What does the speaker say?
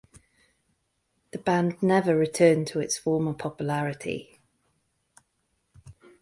The band never returned to its former popularity.